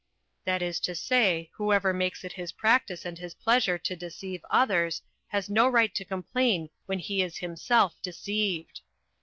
That is to say, whoever makes it his practice and his pleasure to deceive others, has no right to complain when he is himself deceived."